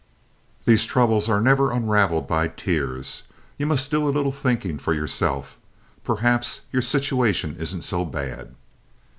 These troubles are never unraveled by tears. You must do a little thinking for yourself. Perhaps your situation isn't so bad."